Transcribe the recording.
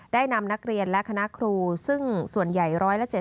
ได้นำนักเรียนและคณะครูซึ่งส่วนใหญ่๑๗๐